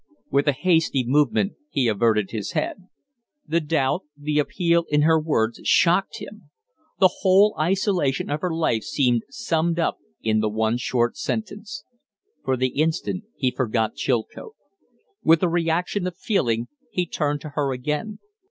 With a hasty movement he averted his head. The doubt, the appeal in her words shocked him. The whole isolation of her life seemed summed up in the one short sentence. For the instant he forgot Chilcote. With a reaction of feeling he turned to her again.